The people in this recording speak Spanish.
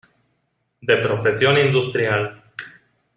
De profesión industrial.